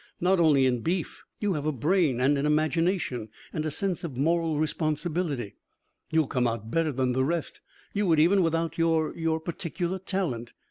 Not only in beef. You have a brain and an imagination and a sense of moral responsibility. You'll come out better than the rest you would even without your your particular talent.